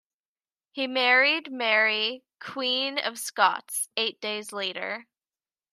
He married Mary, Queen of Scots, eight days later.